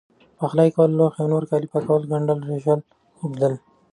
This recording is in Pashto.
پخلی کول لوښي او نور کالي پاکول، ګنډل، رېشل، ووبدل،